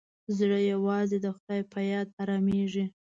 زړه یوازې د خدای په یاد ارامېږي.